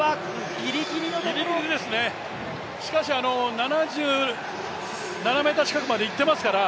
ぎりぎりですね、しかし、７７ｍ近くまでいってますから、